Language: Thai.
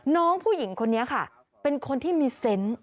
น้องผู้หญิงคนนี้ค่ะเป็นคนที่มีเซนต์